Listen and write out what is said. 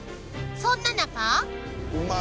［そんな中］